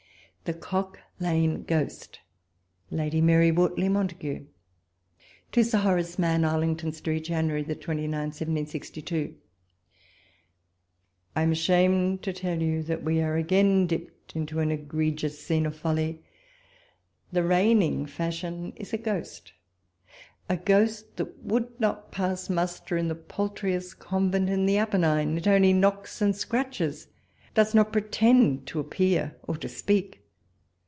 THE COCK LANE GHOST—LADY MARY WOItTLEY MONTAGU. To Sir Horace Mann. Arlington Street, Jan. 29, 1762. ... I AM ashamed to tell you that we are again dipped into an egregious scene of folly. The reigning fashion is a ghost — a ghost, that would not pass muster in the paltriest convent in the Apennine. It only knocks and scratches ; does not pretend to appear or to speak.